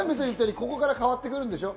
ここから変わってくるんでしょ？